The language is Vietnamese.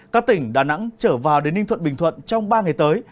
các tỉnh đà nẵng trở vào đến ninh thuận bình thuận trong ba ngày tới